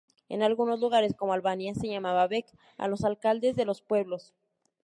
En algunos lugares, como Albania, se llamaba "beg" a los alcaldes de los pueblos.